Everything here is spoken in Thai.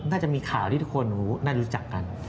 น่าจะมีข่าวที่ทุกคนน่าจะรู้จักกัน